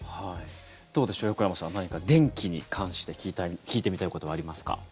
どうでしょう、横山さん何か電気に関して聞いてみたいことはありますか？